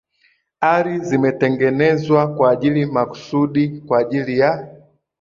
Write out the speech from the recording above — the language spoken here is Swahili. ari zimetengenezwa kwa ajili maksudi kwajili ya